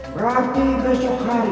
berarti besok hari